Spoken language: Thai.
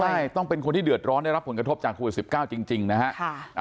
ใช่ต้องเป็นคนที่เดือดร้อนได้รับผลกระทบจากโควิด๑๙จริงนะฮะ